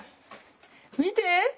見て！